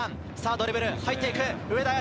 ドリブルで入っていった。